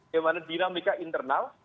bagaimana dinamika internal